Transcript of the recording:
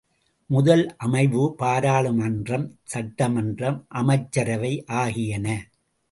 முதல் அமைவு பாராளுமன்றம், சட்டமன்றம், அமைச்சரவை ஆகியன.